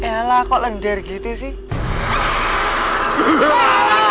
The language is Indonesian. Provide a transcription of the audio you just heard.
yalah kok lendar gitu sih